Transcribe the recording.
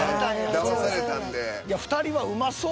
だまされたんで。